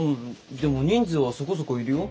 でも人数はそこそこいるよ。